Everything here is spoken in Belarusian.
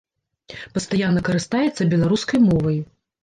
Пастаянна карыстаецца беларускай мовай.